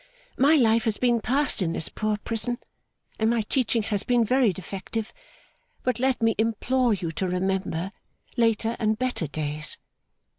My life has been passed in this poor prison, and my teaching has been very defective; but let me implore you to remember later and better days.